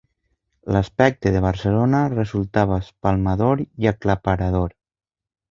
L'aspecte de Barcelona resultava espalmador i aclaparador.